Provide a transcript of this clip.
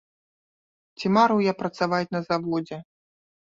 Ці марыў я працаваць на заводзе?